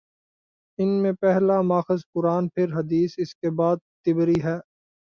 ان میں پہلا ماخذ قرآن، پھر حدیث اور اس کے بعد طبری ہیں۔